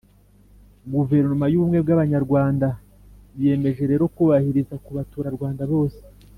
guverinoma y'ubumwe bw'abanyarwanda yiyemeje rero kubahiriza ku baturarwanda bose